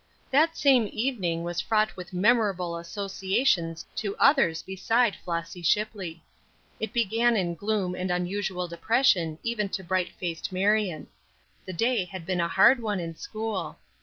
THAT same evening was fraught with memorable associations to others beside Flossy Shipley. It began in gloom and unusual depression even to bright faced Marion. The day had been a hard one in school.